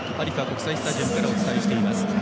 国際スタジアムからお伝えしています。